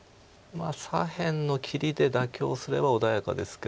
左辺の切りで妥協すれば穏やかですけど。